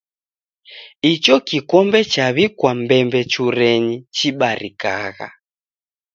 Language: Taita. Icho kikombe chaw'ikwa mbembechurenyi chibarikagha!